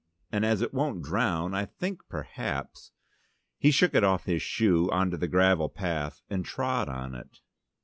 And as it won't drown I think perhaps " He shook it off his shoe on to the gravel path and trod on it.